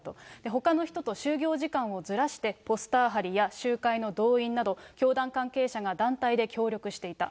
ほかの人と就業時間をずらしてポスター貼りや、集会の動員など、教団関係者が団体で協力していた。